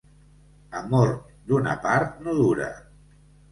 Amor d'una part, no dura.